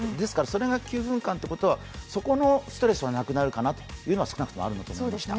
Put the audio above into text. それが９分間ってことはそこのストレスはなくなるかなというのは少なくともあるかなと思いました。